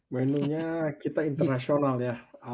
menunya kita internasional ya